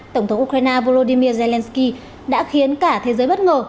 tổng thống ukraine volodymyr zelensky đã khiến cả thế giới bất ngờ